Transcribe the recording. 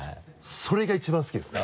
それが一番好きですね。